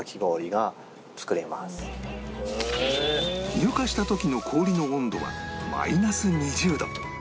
入荷した時の氷の温度はマイナス２０度